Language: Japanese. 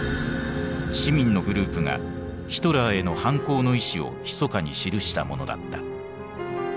市民のグループがヒトラーへの反抗の意志をひそかに記したものだった。